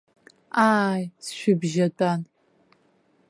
Ааи, сшәыбжьатәан.